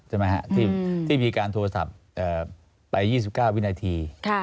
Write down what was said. ใช่ไหมฮะที่มีการโทรศัพท์ไป๒๙วินาที